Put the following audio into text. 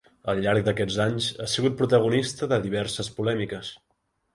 Al llarg d'aquests anys ha sigut protagonista de diverses polèmiques.